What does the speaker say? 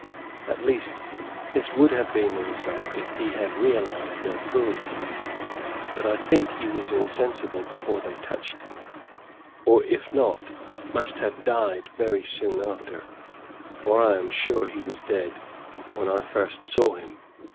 At least this would have been the result if he had realized their cruelty. But I think he was insensible before they touched him, or if not, must have died very soon after, for I am sure he was dead when I first saw him.